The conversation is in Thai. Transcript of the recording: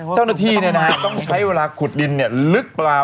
เจ้าหน้าที่ต้องใช้เวลาขุดดินลึกเปล่า